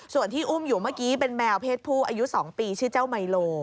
ส่วนที่อุ้มอยู่เมื่อกี้เป็นแมวเพศผู้อายุ๒ปีชื่อเจ้าไมโล